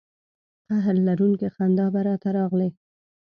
قهر لرونکې خندا به را ته راغلې.